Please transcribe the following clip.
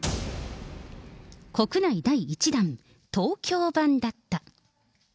国内第１弾、東京版だった。